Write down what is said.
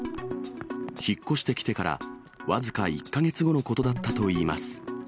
引っ越してきてから僅か１か月後のことだったといいます。